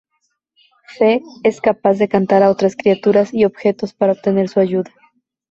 Fe es capaz de cantar a otras criaturas y objetos para obtener su ayuda.